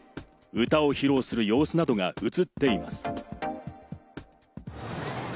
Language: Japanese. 歌を披露する様子などが映っています。